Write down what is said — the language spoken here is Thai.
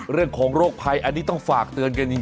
เรื่องของโรคภัยอันนี้ต้องฝากเตือนกันจริง